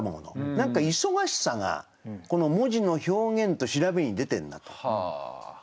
何か忙しさがこの文字の表現と調べに出てるなと思いました。